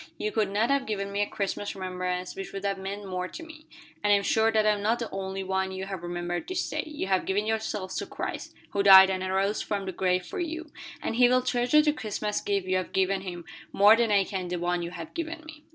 "You could not have given me a Christmas remembrance which would have meant more to me. And I am sure that I am not the only one you have remembered this day you have given yourselves to Christ, who died and arose from the grave for you, and He will treasure the Christmas gift you have given Him more than I can the one you have given me."